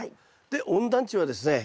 で温暖地はですね